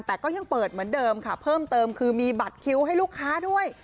แต่ก็ยังเปิดเหมือนเดิมค่ะเพิ่มเติมคือมีบัตรคิวให้ลูกค้าด้วย